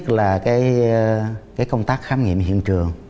thứ nhất là công tác khám nghiệm hiện trường